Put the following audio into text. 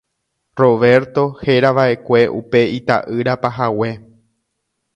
Roberto herava'ekue upe ita'yra pahague.